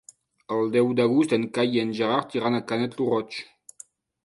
El deu d'agost en Cai i en Gerard iran a Canet lo Roig.